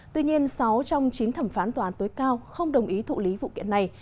tuy nhiên sáu trong chín thẩm phán tòa án tối cao không đồng ý thụ lý vụ kiện này